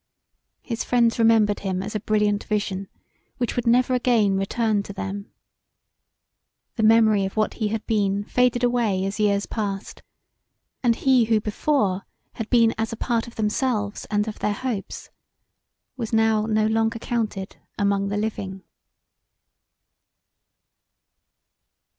His friends remembered him as a brilliant vision which would never again return to them. The memory of what he had been faded away as years passed; and he who before had been as a part of themselves and of their hopes was now no longer counted among the living.